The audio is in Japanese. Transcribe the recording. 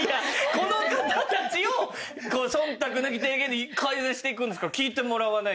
この方たちを忖度なき提言で改善していくんですから聞いてもらわないと。